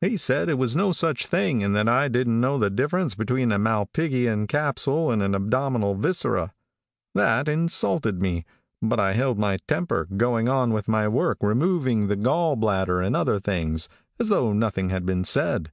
"He said it was no such thing, and that I didn't know the difference between a malpighian capsule and an abdominal viscera. "That insulted me, but I held my temper, going on with my work, removing the gall bladder and other things, as though nothing had been said.